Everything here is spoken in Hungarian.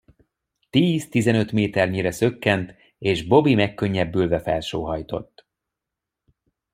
Tíz-tizenöt méternyire szökkent, és Bobby megkönnyebbülve felsóhajtott.